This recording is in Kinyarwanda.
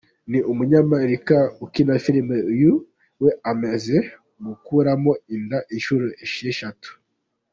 Ni umunyamerika ukina film, uyu we amaze gukuramo inda inshuro esheshatu.